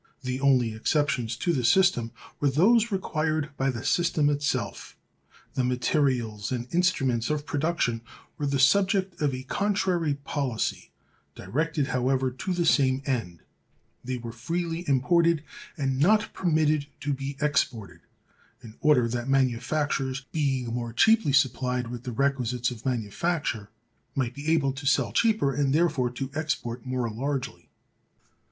The only exceptions to the system were those required by the system itself. The materials and instruments of production were the subject of a contrary policy, directed, however, to the same end; they were freely imported, and not permitted to be exported, in order that manufacturers, being more cheaply supplied with the requisites of manufacture, might be able to sell cheaper, and therefore to export more largely.